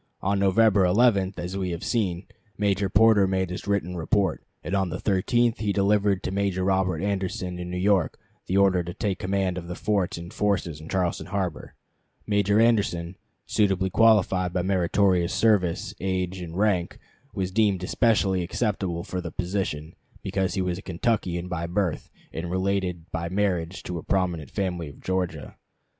On November 11, as we have seen, Major Porter made his written report, and on the 13th he delivered to Major Robert Anderson in New York the order to take command of the forts and forces in Charleston harbor. Major Anderson, suitably qualified by meritorious service, age, and rank, was deemed especially acceptable for the position because he was a Kentuckian by birth, and related by marriage to a prominent family of Georgia.